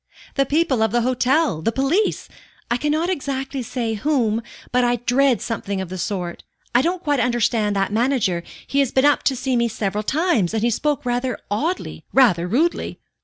"The people of the hotel the police I cannot exactly say whom; but I dread something of the sort. I don't quite understand that manager. He has been up to see me several times, and he spoke rather oddly, rather rudely."